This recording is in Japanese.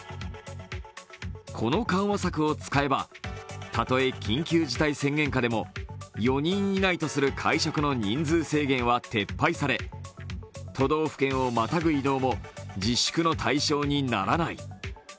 この緩和策を使えばたとえ緊急事態宣言下でも４人以内とする会食の人数制限は撤廃され、都道府県をまたぐ移動も自粛の対象にならない。